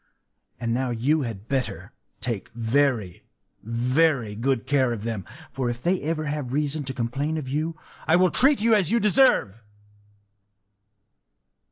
And now you had better take very, very good care of them; for if ever they have reason to complain of you, I will treat you as you deserve!